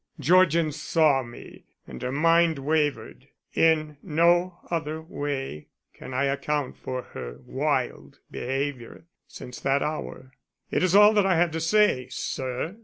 Georgian saw me and her mind wavered. In no other way can I account for her wild behavior since that hour. That is all I have to say, sir.